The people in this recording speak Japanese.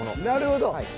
なるほど。